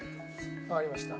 わかりました。